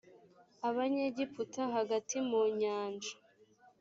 abanyegiputa hagati mu nyanja